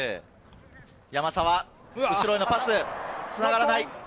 山沢、後ろへのパス、つながらない。